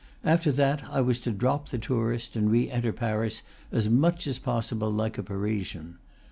After that I was to drop the tourist, and re enter Paris as much as pos sible like a Parisian.